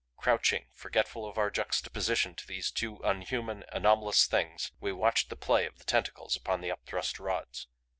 Crouching, forgetful of our juxtaposition to these two unhuman, anomalous Things, we watched the play of the tentacles upon the upthrust rods.